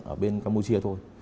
ở bên campuchia thôi